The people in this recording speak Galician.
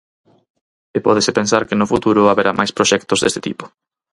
E pódese pensar que no futuro haberá máis proxectos deste tipo.